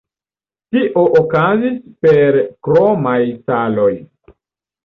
Tio okazis per kromaj saloj.